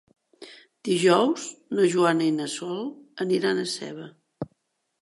Dijous na Joana i na Sol aniran a Seva.